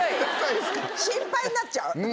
心配になっちゃう。